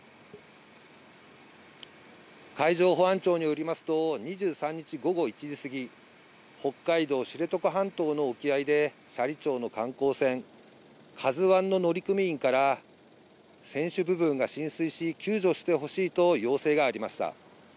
海上保安庁によりますと、２３日午後１時過ぎ、北海道知床半島の沖合で斜里町の観光船カズ１の乗組員から、船首部分が浸水し、救助してほしいと要請がありました。